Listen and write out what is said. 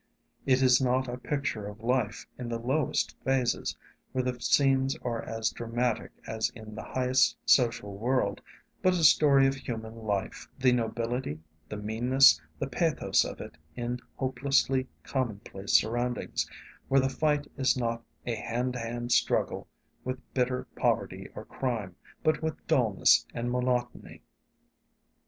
It is not a picture of life in the lowest phases, where the scenes are as dramatic as in the highest social world, but a story of human life; the nobility, the meanness, the pathos of it in hopelessly commonplace surroundings, where the fight is not a hand to hand struggle with bitter poverty or crime, but with dullness and monotony.